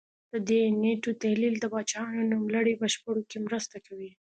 د دې نېټو تحلیل د پاچاهانو نوملړ په بشپړولو کې مرسته کوي